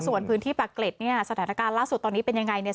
ส่วนพื้นที่ปากเกร็ดเนี่ยสถานการณ์ล่าสุดตอนนี้เป็นยังไงเนี่ย